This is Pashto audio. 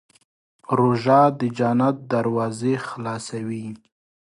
روژه د جنت دروازې خلاصوي.